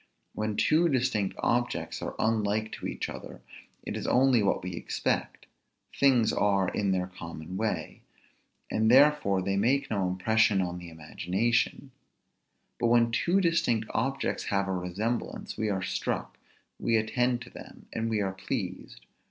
When two distinct objects are unlike to each other, it is only what we expect; things are in their common way; and therefore they make no impression on the imagination: but when two distinct objects have a resemblance, we are struck, we attend to them, and we are pleased.